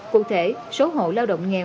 cụ thể số hộ lao động nghèo